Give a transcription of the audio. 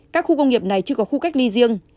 các khu công nghiệp này chưa có khu cách ly riêng